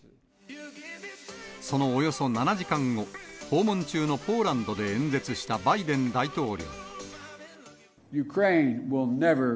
そのおよそ７時間後、訪問中のポーランドで演説したバイデン大統領。